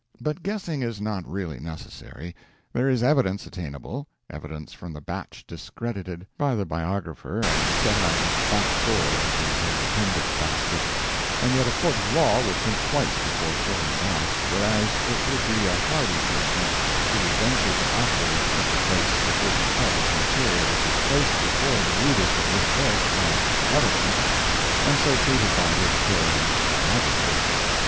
But guessing is not really necessary. There is evidence attainable evidence from the batch discredited by the biographer and set out at the back door in his appendix basket; and yet a court of law would think twice before throwing it out, whereas it would be a hardy person who would venture to offer in such a place a good part of the material which is placed before the readers of this book as "evidence," and so treated by this daring biographer.